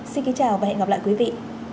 xin kính chào và hẹn gặp lại quý vị